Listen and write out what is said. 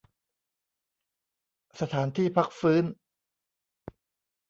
สถานที่พักฟื้น